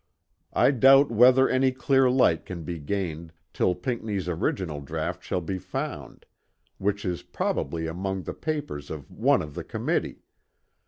I doubt whether any clear light can be gained, till Pinckney's original draught shall be found, which is probably among the papers of one of the committee.